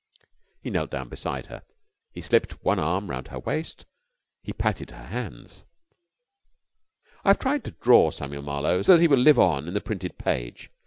He knelt down beside her. He slipped one arm round her waist. He patted her hands. I have tried to draw Samuel Marlowe so that he will live on the printed page.